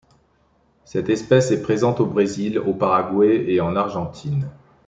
Cette espèce est présente au Brésil, au Paraguay et en Argentine.